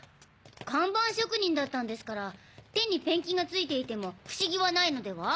看板職人だったんですから手にペンキが付いていても不思議はないのでは？